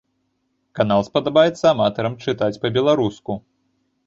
Канал спадабаецца аматарам чытаць па-беларуску.